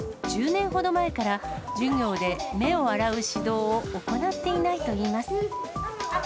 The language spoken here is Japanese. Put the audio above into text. １０年ほど前から、授業で目を洗う指導を行っていないといいます。